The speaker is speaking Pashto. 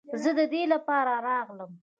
زه د دې لپاره راغلم.